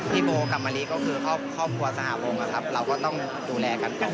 โบกับมะลิก็คือครอบครัวสหวงนะครับเราก็ต้องดูแลกันต่อ